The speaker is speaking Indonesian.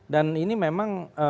dan ini memang